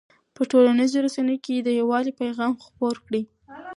په ټولنیزو رسنیو کې د یووالي پیغام خپور کړئ.